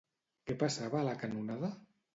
Què passava a la canonada?